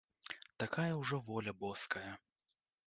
Такая ўжо воля боская.